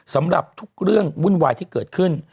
สำหรับทุกเรื่องวุ่นวายที่เกิดขึ้น